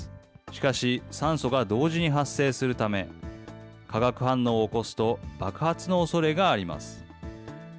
しかし、酸素が同時に発生するため、化学反応を起こすと、爆発のおそれがあります。